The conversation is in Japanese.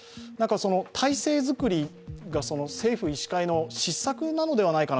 体制作りが政府、医師会の失策なのではないかと